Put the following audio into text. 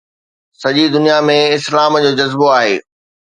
سڄي دنيا ۾ اسلام جو جذبو آهي